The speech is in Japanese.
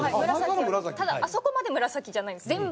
ただあそこまで紫じゃないです。